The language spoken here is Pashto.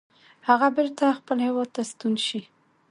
هغه بیرته خپل هیواد ته ستون شي.